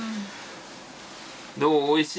どう？